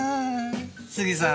杉さん。